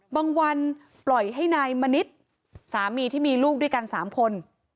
วันปล่อยให้นายมณิษฐ์สามีที่มีลูกด้วยกัน๓คน